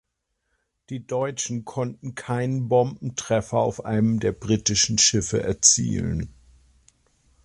Die Deutschen konnten keinen Bombentreffer auf einem der britischen Schiffe erzielen.